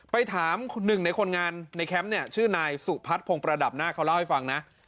ไปถามหนึ่งในคนงานในแคมป์เนี่ยชื่อนายสุพัฒนพงษระดับหน้าเขาเล่าให้ฟังนะ